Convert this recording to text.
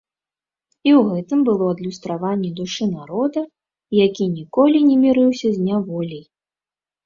І ў гэтым было адлюстраванне душы народа, які ніколі не мірыўся з няволяй.